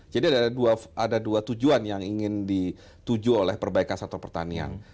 jadi ada dua tujuan yang ingin dituju oleh perbaikan sektor pertanian